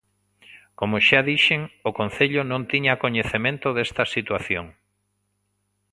Como xa dixen, o Concello non tiña coñecemento desta situación.